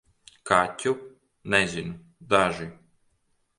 Kaķu? Nezinu - daži.